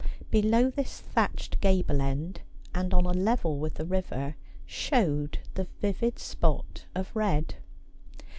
Below this thatched gable end, and on a level with the river, showed the vivid spot of red.